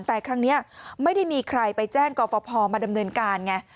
แต่ครั้งนี้ไม่ได้มีใครไปแจ้งกรฟภมาดำเนินการไง